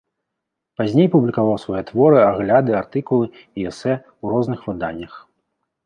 Пазней публікаваў свае творы, агляды, артыкулы і эсэ ў розных выданнях.